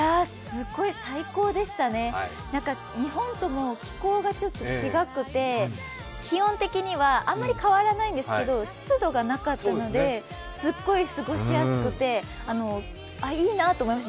最高でしたね、日本とも気候がちょっと違くて気温的にはあまり変わらないんですけど湿度がなかったのですっごい過ごしやすくてあっ、いいなと思いました。